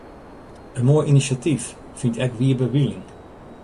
In moai inisjatyf, fynt ek Wiebe Wieling.